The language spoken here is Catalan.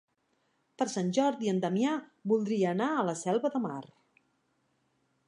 Per Sant Jordi en Damià voldria anar a la Selva de Mar.